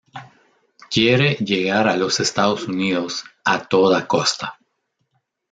Quiere llegar a los Estados Unidos a toda costa.